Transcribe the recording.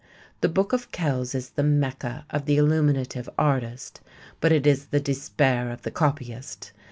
The Book of Kells is the Mecca of the illuminative artist, but it is the despair of the copyist.